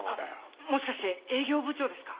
あもしかして営業部長ですか？